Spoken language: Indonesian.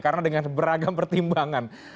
karena dengan beragam pertimbangan